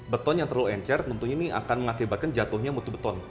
beton yang terlalu encer tentunya ini akan mengakibatkan jangkauan